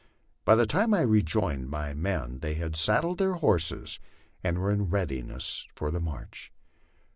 By the time I rejoined my men they had saddled their horses and were in rea diness for the march.